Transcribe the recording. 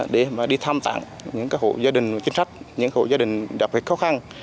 để mà đi thăm tặng những hộ gia đình chính sách những hộ gia đình đặc biệt khó khăn